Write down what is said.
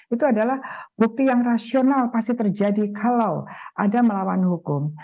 itu adalah bukti yang rasional pasti terjadi kalau ada melawan hukum